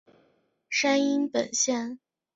山阴本线。